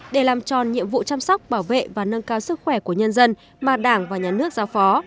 để làm tròn nhiệm vụ chăm sóc bảo vệ và nâng cao sức khỏe của nhân dân mà đảng và nhà nước giao phó